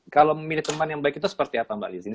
kalau memilih teman yang baik itu seperti apa mbak lizzie